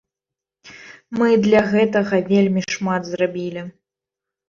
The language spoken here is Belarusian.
Мы для гэтага вельмі шмат зрабілі.